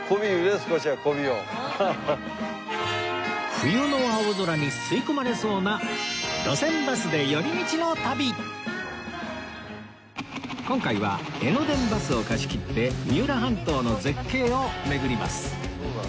冬の青空に吸い込まれそうな今回は江ノ電バスを貸し切って三浦半島の絶景を巡ります